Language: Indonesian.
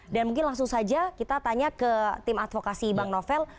dan mungkin langsung saja kita tanya ke tim advokasi bank novel